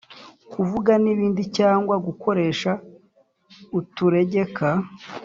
kuvuga n’ibindi cyangwa gukoresha uturegeka